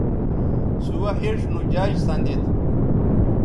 سوہ اِڇھ نو جج سندید